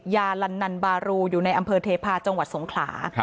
ยาลันนันบารูอยู่ในอำเภอเทพาะจังหวัดสงขลา